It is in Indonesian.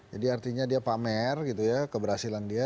jadi artinya dia pamer gitu ya keberhasilan dia